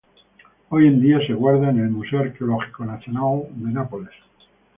Hoy en día se guarda en el Museo Arqueológico Nacional de Nápoles.